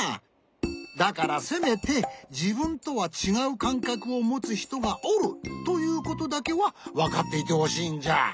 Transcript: だからせめてじぶんとはちがうかんかくをもつひとがおるということだけはわかっていてほしいんじゃ。